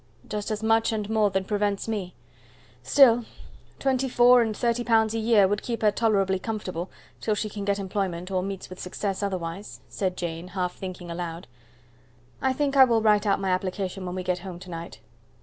"Just as much and more than prevents me. Still, twenty four and thirty pounds a year would keep her tolerably comfortable till she can get employment or meets with success otherwise," said Jane, half thinking aloud. "I think I will write out my application when we get home to night."